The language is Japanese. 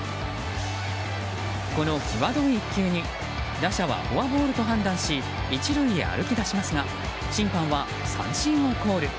この際どい１球に打者はフォアボールと判断し１塁へ歩き出しますが審判は三振をコール。